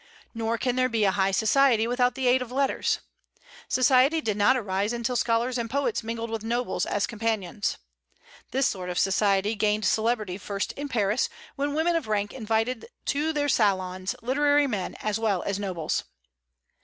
Nor can there be a high society without the aid of letters. Society did not arise until scholars and poets mingled with nobles as companions. This sort of society gained celebrity first in Paris, when women of rank invited to their salons literary men as well as nobles.